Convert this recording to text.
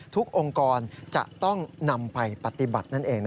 องค์กรจะต้องนำไปปฏิบัตินั่นเอง